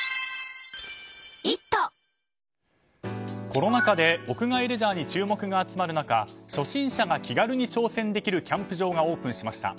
コロナ禍で屋外レジャーに注目が集まる中初心者が気軽に挑戦できるキャンプ場がオープンしました。